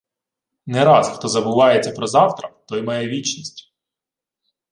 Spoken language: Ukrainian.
Не раз, хто забувається про завтра, той має вічність.